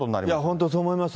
本当、そう思います。